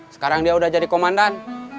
sekarang dia udah jadi komandan